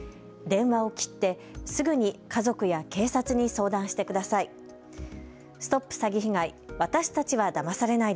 電話を切ってすぐに家族や警察に相談してください。